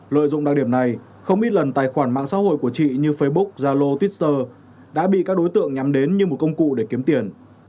lợi dụng đặc điểm này không ít lần tài khoản mạng xã hội của chị như facebook zalo twitter đã bị các đối tượng nhắm đến như một công cụ để kiếm tiền